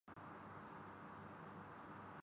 I D Ps سے اظہار یک جہتی کیلئے دوستانہ کرکٹ میچ